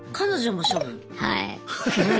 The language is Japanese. はい。